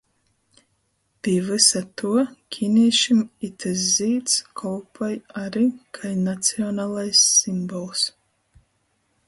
Pi vysa tuo kinīšim itys zīds kolpoj ari kai nacionalais simbols.